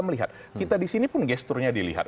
melihat kita disini pun gesturnya dilihat